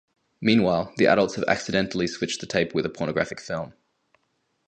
Meanwhile, the adults have accidentally switched the tape with a pornographic film.